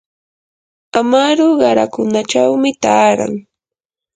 amaru qarakunachawmi taaran.